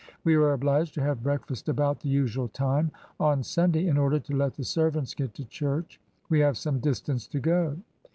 We are obliged to have breakfast about the usual time on Sunday in order to let the servants get to church. We have some distance to go."